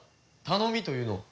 頼みというのは。